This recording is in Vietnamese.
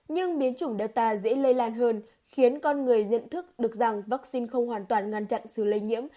nhưng biến chủng delta dễ lây lan hơn khiến con người nhận thức được rằng vaccine không hoàn toàn ngăn chặn sự lây nhiễm